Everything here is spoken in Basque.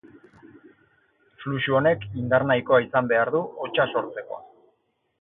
Fluxu honek indar nahikoa izan behar du hotsa sortzeko.